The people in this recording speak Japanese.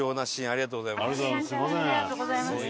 ありがとうございます。